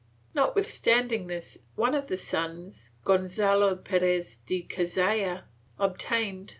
Notwithstanding this, one of the sons, Gonzalo Perez de Cazalla, obtained.